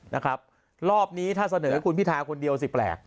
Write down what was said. นะครับรอบนี้ถ้าเสนอคุณพิทาคนเดียวสิแปลก